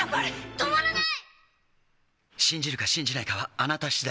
止まらない！